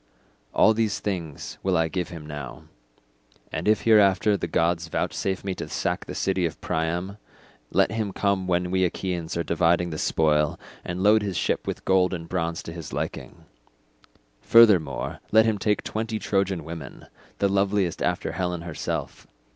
"All these things will I give him now, and if hereafter the gods vouchsafe me to sack the city of Priam, let him come when we Achaeans are dividing the spoil, and load his ship with gold and bronze to his liking; furthermore let him take twenty Trojan women, the loveliest after Helen herself.